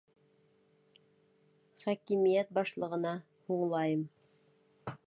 Хакимиәт башлығына һуңлайым!